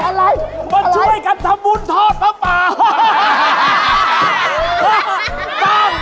อะไรอะไร